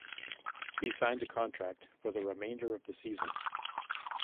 He signed a contract for the remainder of the season.